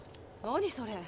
何それ？